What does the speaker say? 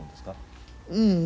うん。